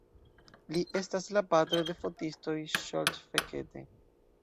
Li estas la patro de fotisto Zsolt Fekete.